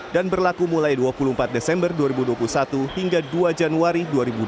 dan berlaku mulai dua puluh empat desember dua ribu dua puluh satu hingga dua januari dua ribu dua puluh dua